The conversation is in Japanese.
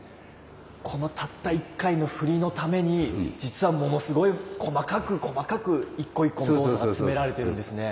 このたった１回の振りのために実はものすごい細かく細かく一個一個の動作が詰められてるんですね。